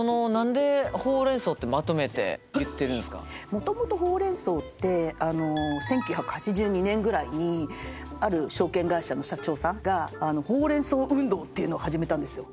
もともとホウ・レン・ソウって１９８２年ぐらいにある証券会社の社長さんがほうれんそう運動っていうのを始めたんですよ。